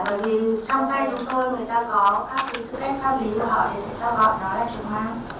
bởi vì trong tay chúng tôi người ta có các cái tư cách pháp lý của họ thì sao gọi nó là trường mai